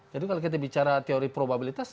jadi kalau kita bicara teori probabilitas